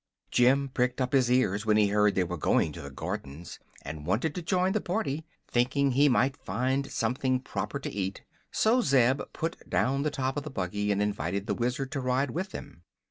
Jim pricked up his ears when he heard they were going to the gardens, and wanted to join the party, thinking he might find something proper to eat; so Zeb put down the top of the buggy and invited the Wizard to ride with them.